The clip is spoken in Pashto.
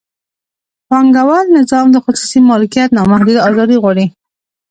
پانګوال نظام د خصوصي مالکیت نامحدوده ازادي غواړي.